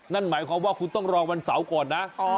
นั่นหมายความว่าคุณต้องรอวันเสาร์ก่อนนะ